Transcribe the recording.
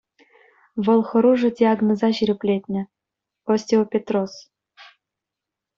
Вӑл хӑрушӑ диагноза ҫирӗплетнӗ -- остеопетроз.